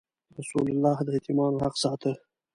رسول الله د یتیمانو حق ساته.